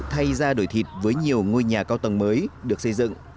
hầu hết là ngôi nhà cao tầng mới được xây dựng